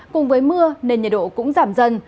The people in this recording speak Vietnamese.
cùng với mưa nên nhiệt độ cũng giảm dần